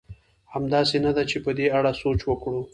همداسې نه ده؟ چې په دې اړه سوچ وکړو.